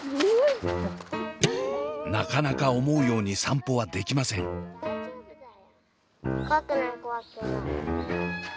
なかなか思うように散歩はできません。